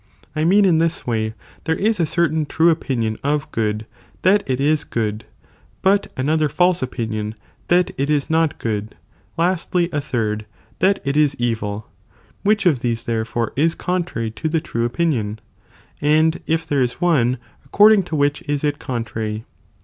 I mean in this way, there is a certain true opinion of good that it is good, but an other false opinion that it is not good, laatly, a third, that it is evil, which of these therefore is contrary to the true opinion ? and if tliere is one, according to which is it contrary